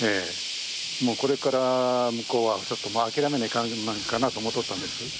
これから向こうはちょっともう諦めないかんかなと思うとったんです。